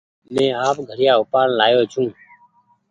مينٚ آپ گھڙيآ اُپآڙين لآيو ڇوٚنٚ